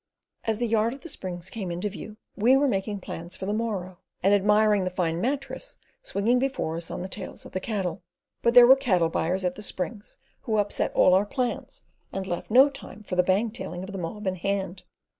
As the yard of the Springs came into view, we were making plans for the morrow, and admiring the fine mattress swinging before us on the tails of the cattle; but there were cattle buyers at the Springs who upset all our plans, and left no time for the bang tailing of the mob in hand.